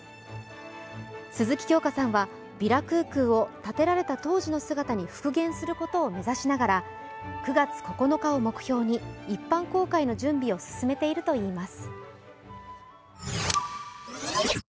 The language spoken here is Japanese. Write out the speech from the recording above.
鈴木京香さんはヴィラ・クゥクゥを建てられた当時の姿に復元することを目指しながら９月９日を目標に一般公開の準備を進めているといいます。